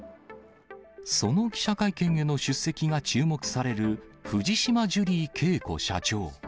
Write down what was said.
その記者会見への出席が注目される、藤島ジュリー景子社長。